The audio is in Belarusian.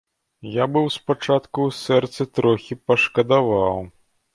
Я быў спачатку ў сэрцы трохі пашкадаваў.